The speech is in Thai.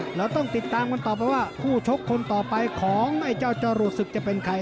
เราต้องติดตามกันต่อไปว่าคู่ชกคนต่อไปของไอ้เจ้าจรวดศึกจะเป็นใคร